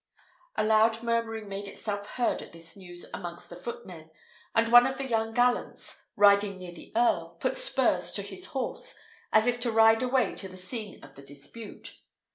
A loud murmuring made itself heard at this news amongst the footmen; and one of the young gallants, riding near the earl, put spurs to his horse, as if to ride away to the scene of the dispute.